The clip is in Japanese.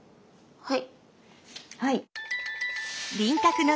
はい。